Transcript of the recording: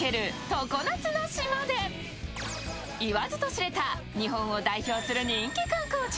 常夏の島で、言わずとしれた日本を代表する人気観光地。